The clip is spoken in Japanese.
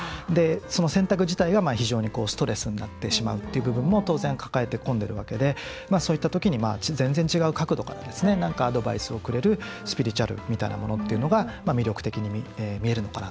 その選択自体が非常にストレスになってしまうっていう部分も当然、抱え込んでいるわけでそういった時に全然違う角度からなんかアドバイスをくれるスピリチュアルみたいなものっていうのが魅力的に見えるのかな。